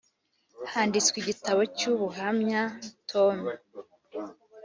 handitswe igitabo cy ubuhamya tome